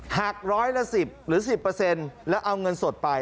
หักร้อยละ๑๐หรือ๑๐แล้วเอาเงินสดไป